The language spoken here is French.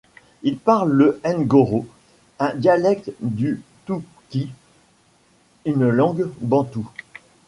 Ils parlent le ngoro, un dialecte du tuki, une langue bantoue.